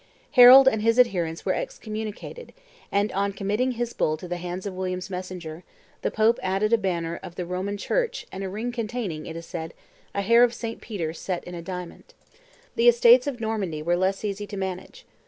Harold and his adherents were excommunicated, and, on committing his bull to the hands of William's messenger, the Pope added a banner of the Roman Church and a ring containing, it is said, a hair of St. Peter set in a diamond. The Estates of Normandy were less easy to manage.